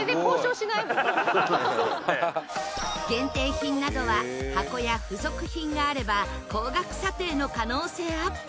限定品などは箱や付属品があれば高額査定の可能性アップ。